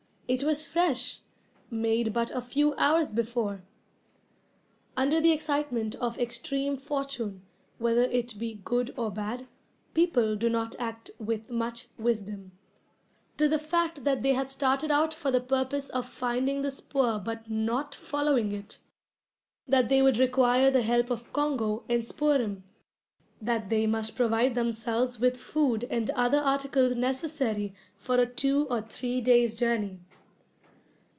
It was fresh, made but a few hours before. Under the excitement of extreme fortune, whether it be good or bad, people do not act with much wisdom. So thought Hendrik as he called the attention of Willem to the fact that they had started out for the purpose of finding the spoor but not following it; that they would require the help of Congo and Spoor'em; that they must provide themselves with food and other articles necessary for a two or three days' journey.